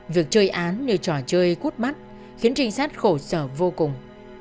việc chơi án như trò chơi cút mắt khiến trinh sát khổ sở vô cùng